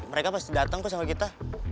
mereka pasti datang kok sama kita